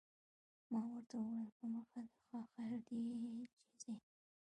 ما ورته وویل: په مخه دې ښه، خیر دی چې ځې.